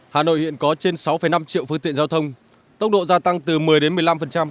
hà nội hiện có trên sáu năm triệu phương tiện giao thông tốc độ gia tăng từ một mươi đến một mươi năm